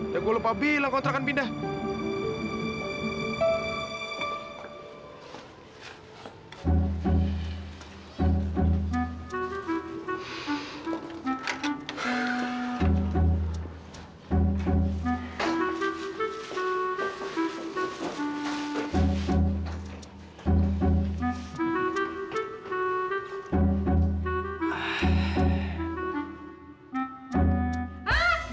ya gua lupa bilang kontrakan pindah